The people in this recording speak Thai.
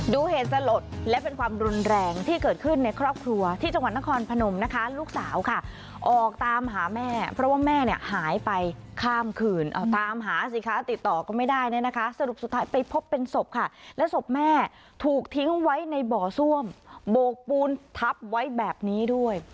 เหตุสลดและเป็นความรุนแรงที่เกิดขึ้นในครอบครัวที่จังหวัดนครพนมนะคะลูกสาวค่ะออกตามหาแม่เพราะว่าแม่เนี่ยหายไปข้ามคืนเอาตามหาสิคะติดต่อก็ไม่ได้เนี่ยนะคะสรุปสุดท้ายไปพบเป็นศพค่ะและศพแม่ถูกทิ้งไว้ในบ่อซ่วมโบกปูนทับไว้แบบนี้ด้วย